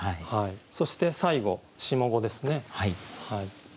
そして最後下五ですね。